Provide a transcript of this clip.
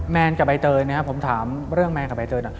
แมนกับไอเติร์นนะครับผมถามเรื่องแมนกับไอเติร์น